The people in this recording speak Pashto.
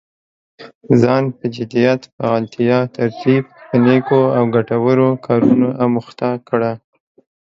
ځان په جديت، فعاليتا، ترتيب په نيکو او ګټورو کارونو اموخته کړه.